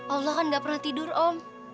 allah kan gak pernah tidur om